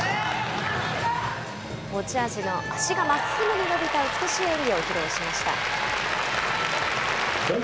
持ち味の足がまっすぐに伸びた美しい演技を披露しました。